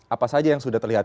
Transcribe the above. apa saja yang sudah terlihat